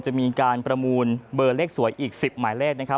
จะมีการประมูลเบอร์เลขสวยอีก๑๐หมายเลขนะครับ